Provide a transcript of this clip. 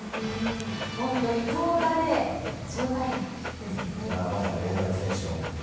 本当に投打でショウタイムでしたね。